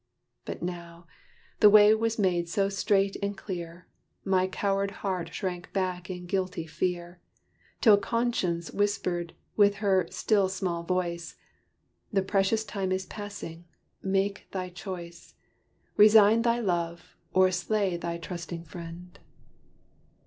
But now, the way was made so straight and clear, My coward heart shrank back in guilty fear, Till Conscience whispered with her "still small voice," "The precious time is passing make thy choice Resign thy love, or slay thy trusting friend."